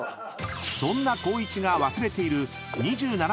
［そんな光一が忘れている］